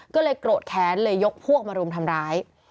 ก็เลยโกรธแค้นเลยยกพวกมารุมทำร้าย